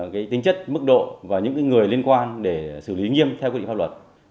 cái tính chất mức độ và những người liên quan để xử lý nghiêm theo quy định pháp luật